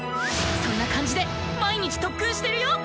そんな感じで毎日特訓してるよ！